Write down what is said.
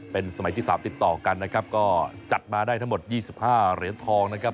เป็นสมัยที่๓ติดต่อกันนะครับก็จัดมาได้ทั้งหมด๒๕เหรียญทองนะครับ